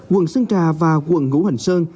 quận sơn trà và quận ngũ hành sơn